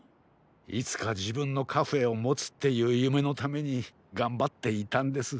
いつかじぶんのカフェをもつっていうゆめのためにがんばっていたんです。